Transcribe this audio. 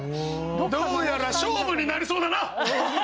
どうやら勝負になりそうだな！